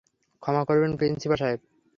ক্ষমা করবেন প্রিন্সিপাল সাহেব।